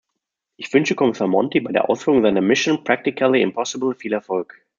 Ich wünsche Kommissar Monti bei der Ausführung seiner mission practically impossible viel Erfolg.